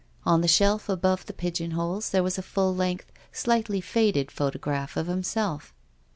On the shelf above the pigeonholes there was a full length, slightly faded photograph of himself.